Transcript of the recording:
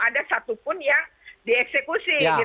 ada satupun yang dieksekusi